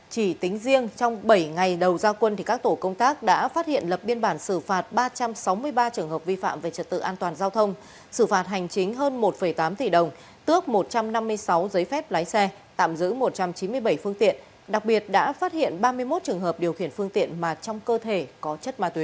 chỉ tính riêng trong bảy ngày đầu giao quân các tổ công tác đã phát hiện lập biên bản xử phạt ba trăm sáu mươi ba trường hợp vi phạm về trật tự an toàn giao thông xử phạt hành chính hơn một tám tỷ đồng tước một trăm năm mươi sáu giấy phép lái xe tạm giữ một trăm chín mươi bảy phương tiện đặc biệt đã phát hiện ba mươi một trường hợp điều khiển phương tiện mà trong cơ thể có chất ma túy